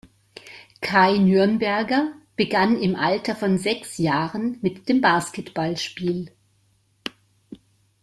Kai Nürnberger begann im Alter von sechs Jahren mit dem Basketballspiel.